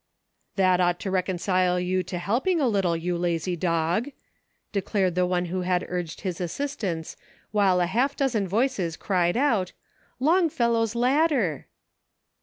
" That ought to reconcile you to helping a little, you lazy dog !" declared the one who had urged his assistance, while a half dozen voices cried out : "Longfellow's Ladder."